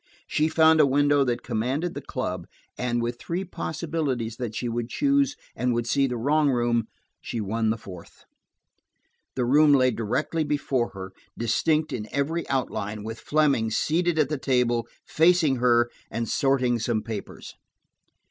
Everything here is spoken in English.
She found a window that commanded the club, and with three possibilities that she would lose, and would see the wrong room, she won the fourth. The room lay directly before her, distinct in every outline, with Fleming seated at the table, facing her and sorting some papers.